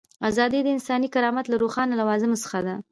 ازادي د انساني کرامت له روښانه لوازمو څخه ده.